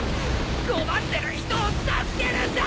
困ってる人を助けるんだ！